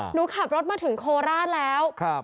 หนูขับรถมาถึงโคราชแล้ว